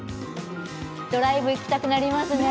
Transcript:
ドライブ行きたくなりますね。